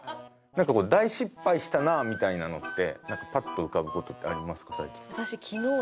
大失敗したなみたいなのってパッと浮かぶ事ってありますか？